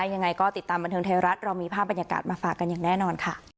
ยังไงก็ติดตามบันเทิงไทยรัฐเรามีภาพบรรยากาศมาฝากกันอย่างแน่นอนค่ะ